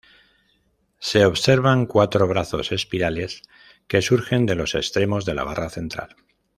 Se observan cuatro brazos espirales que surgen de los extremos de la barra central.